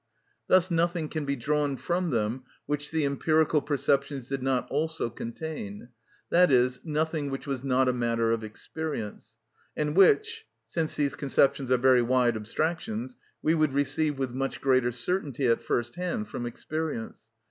Thus nothing can be drawn from them which the empirical perceptions did not also contain, that is, nothing which was not a matter of experience, and which, since these conceptions are very wide abstractions, we would receive with much greater certainty at first hand from experience.